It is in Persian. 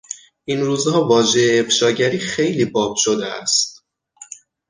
این روزها واژهی افشاگری خیلی باب شده است.